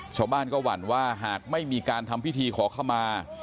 ชาวบ้านก็หวั่นว่าหากไม่มีการทำพิธีขอขมา